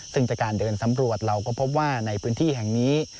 ซึ่งจากการเดินสำรวจเราก็พบว่าในพื้นที่แห่งนี้